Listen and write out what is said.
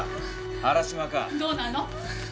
どうなの？